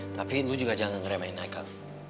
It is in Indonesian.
tapi lo juga jangan remeh remenin ikel